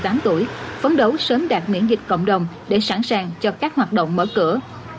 phấn đấu sớm đạt miễn dịch cộng đồng để sẵn sàng cho các hoạt động mở cửa